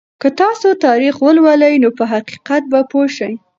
که تاسو تاریخ ولولئ نو په حقیقت به پوه شئ.